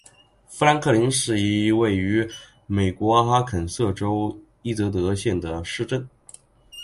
富兰克林是一个位于美国阿肯色州伊泽德县的市镇。